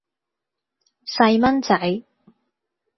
細蚊仔